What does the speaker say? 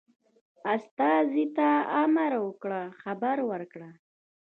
استازي ته امر وکړ خبر ورکړي.